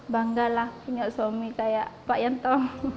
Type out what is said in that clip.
bangga lah punya suami kayak pak yanto